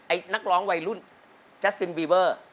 ไอ้นักร้องวัยรุ่นแจ๊สซินบีเบอร์